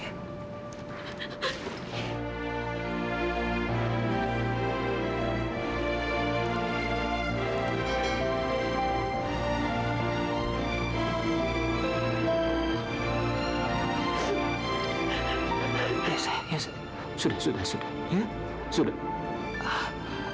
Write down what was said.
sudah sudah sudah